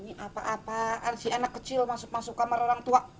ini apa apa si anak kecil masuk masuk kamar orang tua